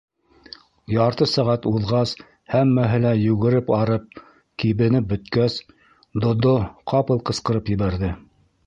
Ярты сәғәт уҙғас, һәммәһе лә йүгереп арып, кибенеп бөткәс, Додо ҡапыл ҡысҡырып ебәрҙе: